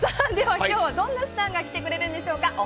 今日は、どんなスターが来てくれるんでしょうか。